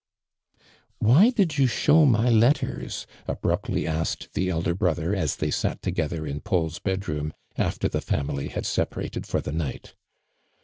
" Why did you show my letters ?" abruptly asked the elder brother, as they sat together in Paul's bed room after the family had separated for the night.